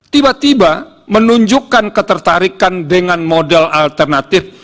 tiba tiba menunjukkan ketertarikan dengan model alternatif